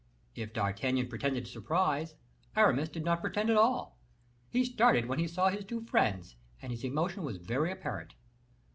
If D'Artagnan pretended surprise, Aramis did not pretend at all; he started when he saw his two friends, and his emotion was very apparent.